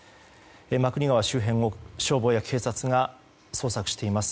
真国川周辺を消防や警察が捜索しています。